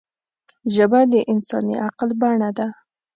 ژبه د انساني عقل بڼه ده